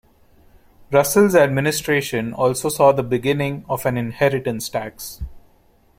Russell's administration also saw the beginning of an inheritance tax.